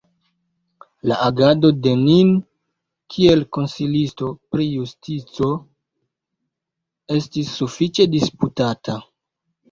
La agado de Nin kiel Konsilisto pri Justico estis sufiĉe disputata.